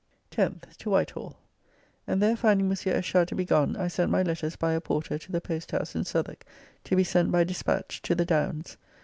10th. To Whitehall, and there finding Mons. Eschar to be gone, I sent my letters by a porter to the posthouse in Southwark to be sent by despatch to the Downs.